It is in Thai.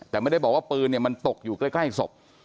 แต่ไม่ได้บอกว่าปืนเนี่ยมันตกอยู่ใกล้ศพ